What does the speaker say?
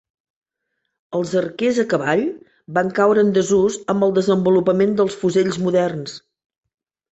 Els arquers a cavall van caure en desús amb el desenvolupament dels fusells moderns.